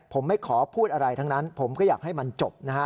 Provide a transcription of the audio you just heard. ผมไม่ขอพูดอะไรทั้งนั้นผมก็อยากให้มันจบนะฮะ